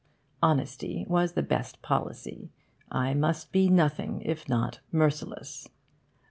Honesty was the best policy. I must be nothing if not merciless.